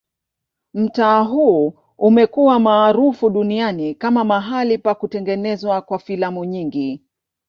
Mtaa huu umekuwa maarufu duniani kama mahali pa kutengenezwa kwa filamu nyingi.